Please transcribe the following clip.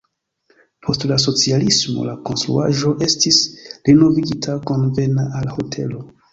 Post la socialismo la konstruaĵo estis renovigita konvena al hotelo.